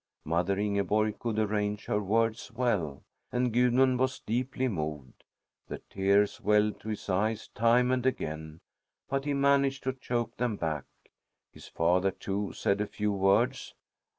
Mother Ingeborg could arrange her words well, and Gudmund was deeply moved. The tears welled to his eyes time and again, but he managed to choke them back. His father, too, said a few words.